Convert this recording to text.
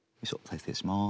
再生します。